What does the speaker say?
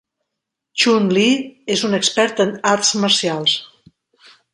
Chun-Li és un expert en arts marcials.